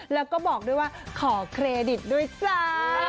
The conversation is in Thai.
แล้วก็บอกด้วยว่าขอเครดิตด้วยจ้า